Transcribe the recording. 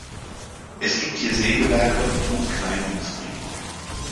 Es gibt hier Sägewerke und Kleinindustrie.